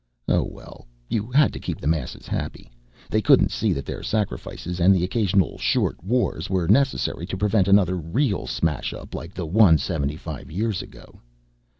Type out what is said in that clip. Oh, well. You had to keep the masses happy. They couldn't see that their sacrifices and the occasional short wars were necessary to prevent another real smashup like the one seventy five years ago.